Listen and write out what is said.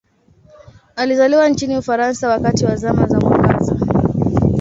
Alizaliwa nchini Ufaransa wakati wa Zama za Mwangaza.